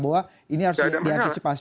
bahwa ini harus diantisipasi